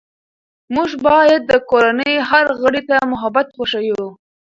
موږ باید د کورنۍ هر غړي ته محبت وښیو